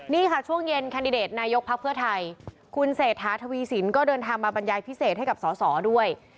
นี่ค่ะช่วงเย็นแคนดิเดตนายกพักเพื่อไทยคุณเศรษฐาทวีสินก็เดินทางมาบรรยายพิเศษให้กับสอสอด้วย